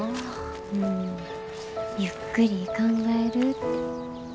うんゆっくり考えるって。